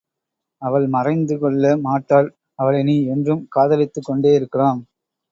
அவள் மறைந்து கொள்ள மாட்டாள், அவளை நீ என்றும் காதலித்துக் கொண்டேயிருக்கலாம்.